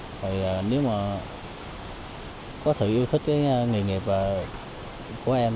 thì nếu mà có sự yêu thích cái nghề nghiệp của em